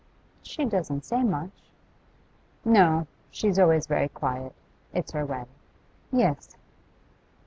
'She doesn't say much.' 'No, she's always very quiet. It's her way.' 'Yes.